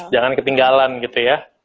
jangan ketinggalan gitu ya